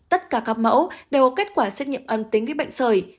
tất cả các mẫu đều có kết quả xét nghiệm âm tính với bệnh sởi